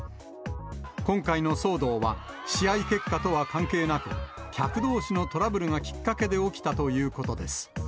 今回の騒動は試合結果とは関係なく、客どうしのトラブルがきっかけで起きたということです。